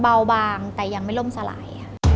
เบาบางแต่ยังไม่ล่มสลายค่ะ